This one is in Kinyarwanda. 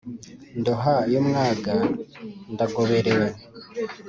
ndoha y'umwaga ndagoberewe